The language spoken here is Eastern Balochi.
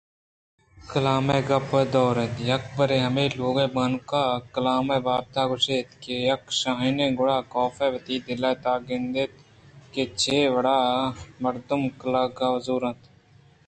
کلام ءِ گپ دور اَت یک برے ہمے لوگ بانک ءَ کلام ءِ بابتءَ گوٛشتگ کہ آیک شاہینے گڑا کاف ءَ وتی دلءِ تہا کند اِت کہ چے وڑ مردم ءَ کلاگ زور اَنت